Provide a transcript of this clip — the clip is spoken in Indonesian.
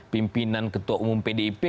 pimpinan ketua umum pdip